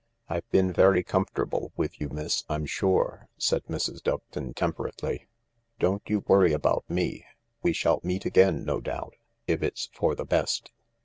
" I've been very comfortable with you, miss, I'm sure," said Mrs. Doveton temperately. " Don't you worry about me. We shall meet again, no doubt, if it's for the best."